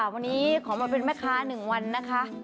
วันนี้ขอมาเป็นแม่ค้า๑วันนะคะ